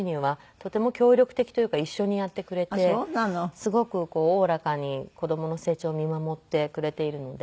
すごくおおらかに子供の成長を見守ってくれているので。